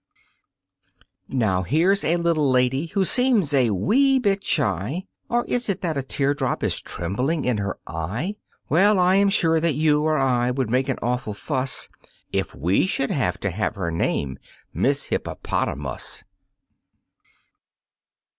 Now here's a little lady who seems a wee bit shy, Or is it that a teardrop is trembling in her eye? Well, I am sure that you or I would make an awful fuss If we should have to have her name "Miss Hippopotamus."